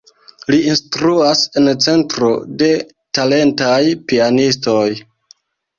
Li instruas en centro de talentaj pianistoj.